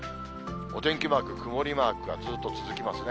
お天気マーク、曇りマークがずっと続きますね。